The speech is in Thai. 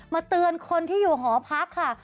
เตือนคนที่อยู่หอพักค่ะ